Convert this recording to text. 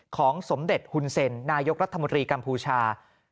ของสมเด็จฮุนเซ็นนายกรัฐมนตรีกัมพูชา